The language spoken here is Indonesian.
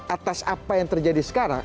atas apa yang terjadi sekarang